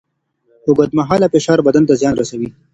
اوږدمهاله فشار بدن ته زیان رسوي.